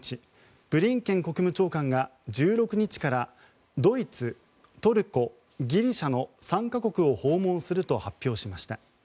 ブリンケン国務長官が１６日からドイツ、トルコ、ギリシャの３か国を訪問すると発表しました。